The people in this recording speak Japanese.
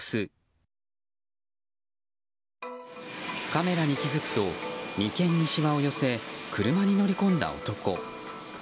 カメラに気づくと眉間にしわを寄せ車に乗り込んだ男。